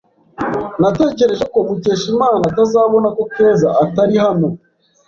Natekereje ko Mukeshimana atazabona ko Keza atari hano.